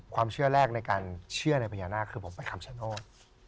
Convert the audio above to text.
ความเชื่อแรกในการเชื่อในพญานาคคือผมไปคำชโนธ